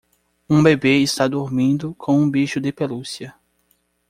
Um bebê está dormindo com um bicho de pelúcia.